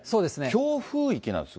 強風域なんです。